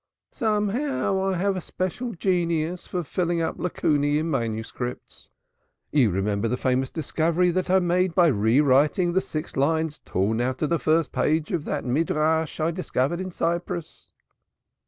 Somehow I have a special genius for filling up lacunae in manuscripts. You remember the famous discovery that I made by rewriting the six lines torn out of the first page of that Midrash I discovered in Cyprus."